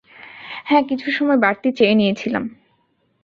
হ্যাঁ, কিছু সময় বাড়তি চেয়ে নিয়েছিলাম।